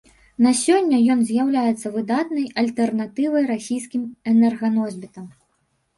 На сёння ён з'яўляецца выдатнай альтэрнатывай расійскім энерганосьбітам.